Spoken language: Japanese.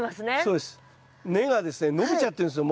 根がですね伸びちゃってるんですよ